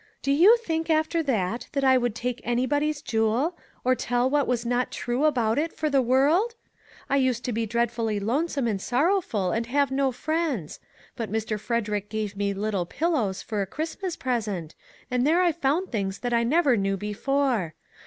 Do you think, after that, that I would take anybody's jewel, or tell what was not true about it for the world ? I used to be dreadfully lone some and sorrowful, and have no friends. But Mr. Frederick gave me ' Little Pillows ' for a Christmas present, and there I found things that I never knew before.